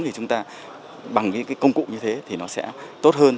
thì chúng ta bằng những cái công cụ như thế thì nó sẽ tốt hơn